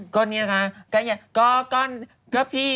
ก็เนี้ยคะก็ปี